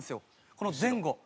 この前後。